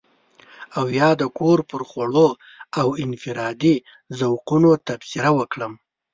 او يا د کور پر خوړو او انفرادي ذوقونو تبصره وکړم.